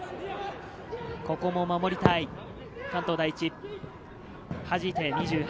ここも守りたい、関東第一。